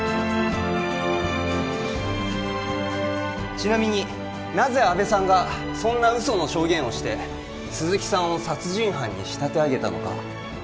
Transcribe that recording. ちなみになぜ阿部さんがそんな嘘の証言をして鈴木さんを殺人犯に仕立て上げたのか